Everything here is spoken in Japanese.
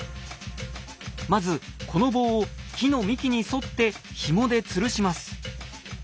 まずこの棒を木の幹に沿ってひもでつるします。